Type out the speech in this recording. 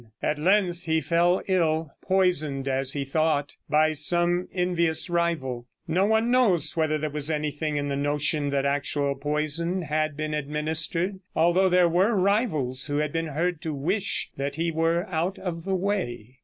At length he fell ill, poisoned, as he thought, by some envious rival. No one knows whether there was anything in the notion that actual poison had been administered, although there were rivals who had been heard to wish that he were out of the way.